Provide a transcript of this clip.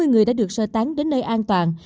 sáu mươi người đã được sơ tán đến nơi an toàn